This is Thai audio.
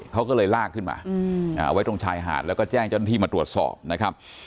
เขาก็เลยลากขึ้นมาไว้ตรงชายหาดแล้วก็แจ้งเจ้าหน้าที่มาตรวจสอบนะครับ